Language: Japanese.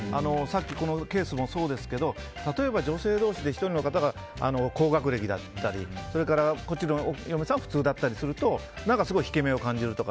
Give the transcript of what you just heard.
このケースもそうですけど例えば女性同士で１人の方が高学歴だったりそれからこっちのお嫁さんは普通だったりすると引け目を感じるとか。